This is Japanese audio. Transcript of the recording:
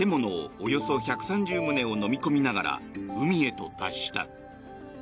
およそ１３０棟をのみ込みながら海へと達した。